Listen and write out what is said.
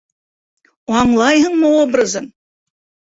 Аңлайһыңмы, образын!